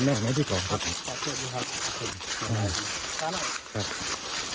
อยากขอโทษมั้ยนะพี่กอใหม่